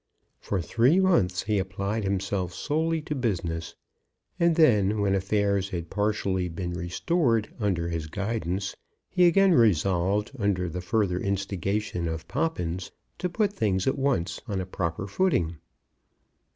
For three months he applied himself solely to business; and then, when affairs had partially been restored under his guidance, he again resolved, under the further instigation of Poppins, to put things at once on a proper footing.